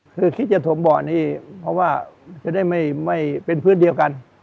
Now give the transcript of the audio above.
คือคิดจะถมบ่อนี้เพราะว่าจะได้ไม่เป็นพื้นเดียวกัน